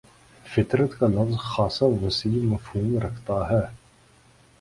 فطرت کا لفظ خاصہ وسیع مفہوم رکھتا ہے